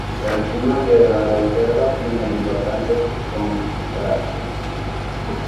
El clima de la reserva tiene importantes contrastes.